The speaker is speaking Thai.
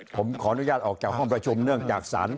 ผมขออนุญาตออกจากห้องประชุมเนื่องจากศาล